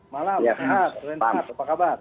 malam sehat reinhardt apa kabar